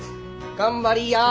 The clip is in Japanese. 頑張りや。